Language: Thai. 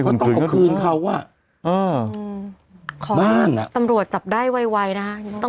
เพราะตกคืนเขาอ่ะอืมขอที่ตำรวจจับได้ไวนะ